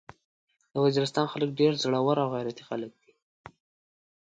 د وزيرستان خلک ډير زړور او غيرتي خلک دي.